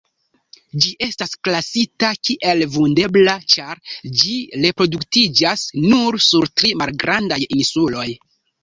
Ĝi estas klasita kiel vundebla ĉar ĝi reproduktiĝas nur sur tri malgrandaj insuloj.